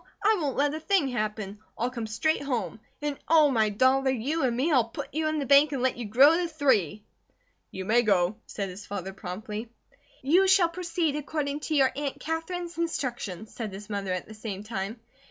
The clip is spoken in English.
I won't let a thing happen. I'll come straight home. And oh, my dollar, you and me; I'll put you in the bank and let you grow to three!" "You may go," said his father, promptly. "You shall proceed according to your Aunt Katherine's instructions," said his mother, at the same time.